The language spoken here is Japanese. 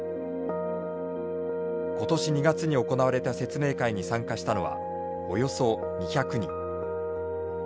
今年２月に行われた説明会に参加したのはおよそ２００人。